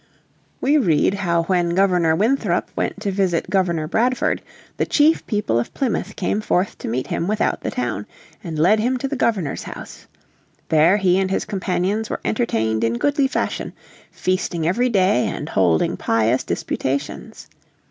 We read how when Governor Winthrop went to visit Governor Bradford the chief people of Plymouth came forth to meet him without the town, and led him to the Governor's house. There he and his companions were entertained in goodly fashion, feasting every day and holding pious disputations.